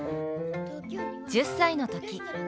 １０歳の時。